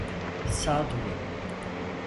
Sağduyu.